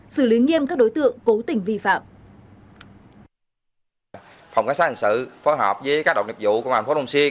xử lý nghiêm các đối tượng cố tình vi phạm